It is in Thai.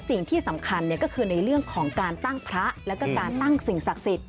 สิ่งที่สำคัญก็คือในเรื่องของการตั้งพระแล้วก็การตั้งสิ่งศักดิ์สิทธิ